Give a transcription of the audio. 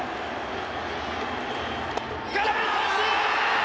空振り三振！